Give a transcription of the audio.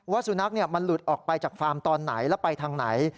สุนัขมันหลุดออกไปจากฟาร์มตอนไหนแล้วไปทางไหน